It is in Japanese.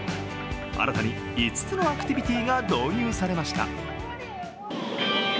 新たに５つのアクティビティーが導入されました。